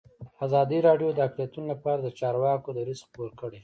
ازادي راډیو د اقلیتونه لپاره د چارواکو دریځ خپور کړی.